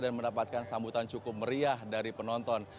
dan mendapatkan sambutan cukup meriah dari penonton